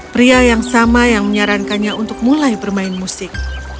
pria yang sama yang menyarankannya untuk mulai bermain musik